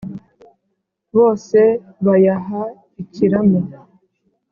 Bose bayaha ikiramo,